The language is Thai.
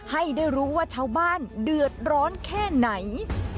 ให้ได้รู้ว่าชาวบ้านเดือดร้อนแค่ไหน